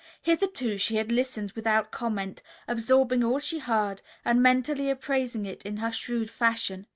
Hitherto she had listened without comment, absorbing all she heard and mentally appraising it in her shrewd fashion.